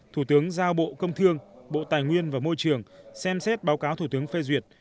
thủ tướng giao bộ công thương bộ tài nguyên và môi trường xem xét báo cáo thủ tướng phê duyệt